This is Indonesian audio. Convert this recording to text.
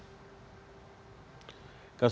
kasus mata uang lah ya